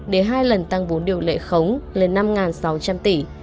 để hai lần tăng vốn điều lệ khống lên năm sáu trăm linh tỷ